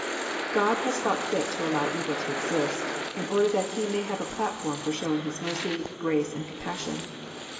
God has thought fit to allow evil to exist, In order that lie may have a platform for showing His mercy, grace, and compassion.